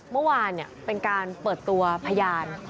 เมื่อวานเป็นการเปิดตัวพยาน